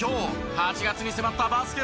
８月に迫ったバスケ